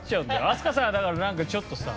飛鳥さんだからなんかちょっとさ。